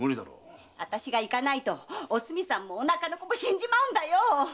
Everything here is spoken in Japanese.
あたしが行かないとおすみさんもお腹の子も死んじまうんだよ！